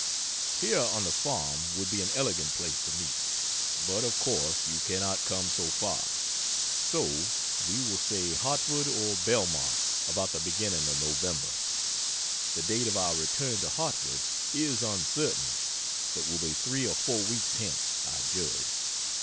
Here on the farm would be an elegant place to meet, but of course you cannot come so far. So we will say Hartford or Belmont, about the beginning of November. The date of our return to Hartford is uncertain, but will be three or four weeks hence, I judge.